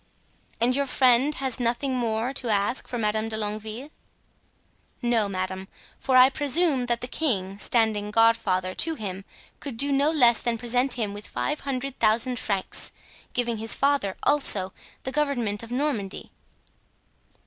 "And your friend has nothing more to ask for Madame de Longueville?" "No, madame, for I presume that the king, standing godfather to him, could do no less than present him with five hundred thousand francs, giving his father, also, the government of Normandy."